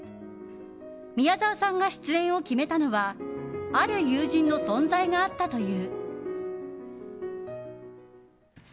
宮沢さんが出演を決めたのはある友人の存在があったという。